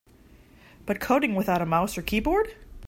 But coding without a mouse or a keyboard?